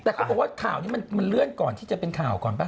แต่เขาบอกว่าข่าวนี้มันเลื่อนก่อนที่จะเป็นข่าวก่อนป่